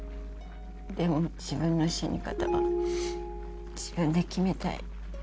でも自分の死に方は自分で決めたい。